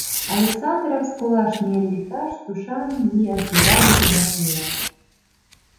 Александровск олаш миен лекташ, тушан Миасуда дене вашлияш.